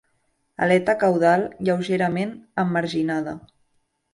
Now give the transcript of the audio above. Aleta caudal lleugerament emarginada.